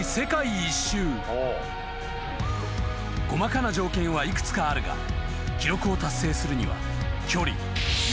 ［細かな条件は幾つかあるが記録を達成するには距離］